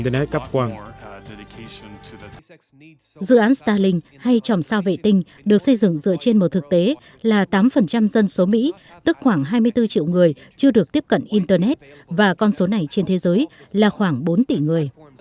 dự án starlink hay tròm sao vệ tinh được xây dựng dựa trên một thực tế là tám dân số mỹ tức khoảng hai mươi bốn triệu người chưa được tiếp cận internet và con số này trên thế giới là khoảng bốn tỷ người